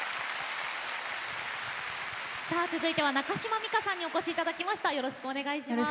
続いて、中島美嘉さんにお越しいただきました。